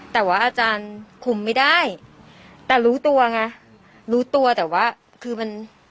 แต่ว่าอาจารย์คุมไม่ได้แต่รู้ตัวไงรู้ตัวแต่ว่าคือมัน